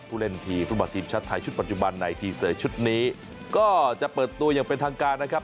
ผู้เล่นทีมฟุตบอลทีมชาติไทยชุดปัจจุบันในทีเสยชุดนี้ก็จะเปิดตัวอย่างเป็นทางการนะครับ